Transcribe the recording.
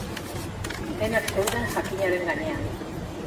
Denak zeuden jakinaren gainean.